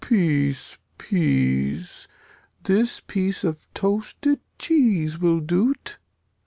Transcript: Peace, peace; this piece of toasted cheese will do't.